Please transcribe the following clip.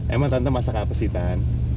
emang tante masak apa sih kan